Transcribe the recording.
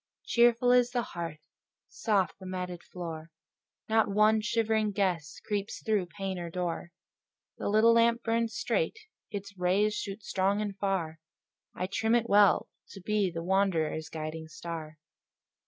Cheerful is the hearth, soft the matted floor; Not one shivering gust creeps through pane or door; The little lamp burns straight, its rays shoot strong and far: I trim it well, to be the wanderer's guiding star.